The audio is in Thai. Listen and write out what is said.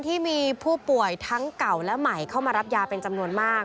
ที่มีผู้ป่วยทั้งเก่าและใหม่เข้ามารับยาเป็นจำนวนมาก